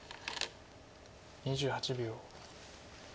２８秒。